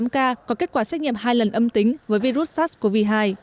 bốn ca có kết quả xét nghiệm hai lần âm tính với virus sars cov hai